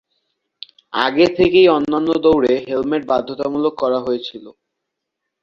আগে থেকেই অন্যান্য দৌড়ে হেলমেট বাধ্যতামূলক করা হয়েছিল।